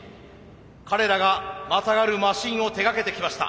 彼らがまたがるマシンを手がけてきました。